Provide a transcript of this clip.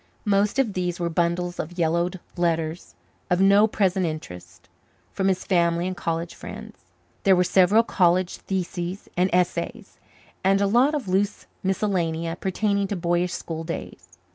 Most of these were bundles of yellowed letters, of no present interest, from his family and college friends. There were several college theses and essays, and a lot of loose miscellania pertaining to boyish school days.